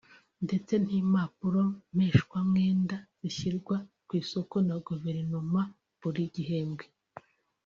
ndetse n’impapuro mpeshwamwenda zishyirwa ku isoko na guverinoma buri gihembwe